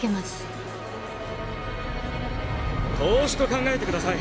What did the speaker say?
投資と考えてください。